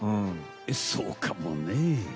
そうかもね。